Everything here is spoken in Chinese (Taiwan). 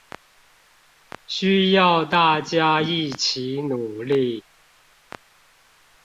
需要大家一起努力